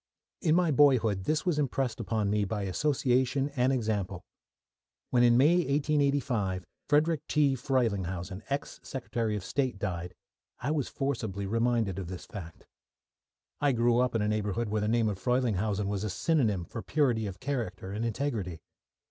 In my boyhood this was impressed upon me by association and example. When in May, 1885, Frederick T. Frelinghuysen, ex Secretary of State, died, I was forcibly reminded of this fact. I grew up in a neighbourhood where the name of Frelinghuysen was a synonym for purity of character and integrity.